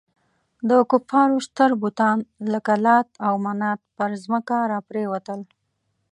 د کفارو ستر بتان لکه لات او منات پر ځمکه را پرېوتل.